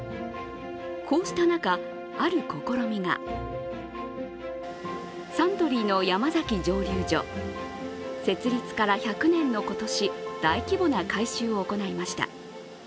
こうした中、ある試みがサントリーの山崎蒸留所、設立から１００年の今年、大規模な改修を行いました。